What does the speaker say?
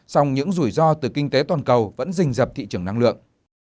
song những rủi ro từ kinh tế toàn cầu vẫn rình dập thị trường năng lượng